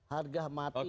harga mati itu terbatas